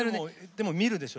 でも、見るんでしょ？